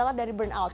gejala dari burnout